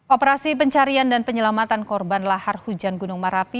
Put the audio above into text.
operasi pencarian dan penyelamatan korban lahar hujan gunung merapi